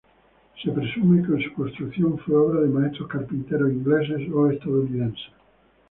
Se presume que su construcción fue obra de maestros carpinteros ingleses o estadounidenses.